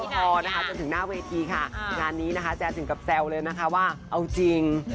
แจงมันไม่ใช่คอนเสิร์ตฉัน